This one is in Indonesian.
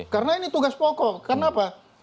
karena ini tugas pokok kenapa